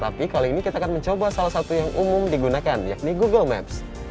tapi kali ini kita akan mencoba salah satu yang umum digunakan yakni google maps